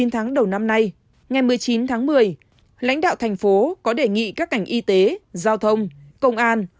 chín tháng đầu năm nay ngày một mươi chín tháng một mươi lãnh đạo tp hcm có đề nghị các cảnh y tế giao thông công an